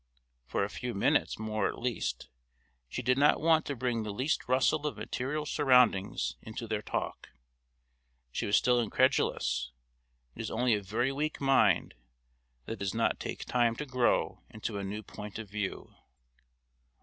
For a few minutes more at least she did not want to bring the least rustle of material surroundings into their talk. She was still incredulous; it is only a very weak mind that does not take time to grow into a new point of view.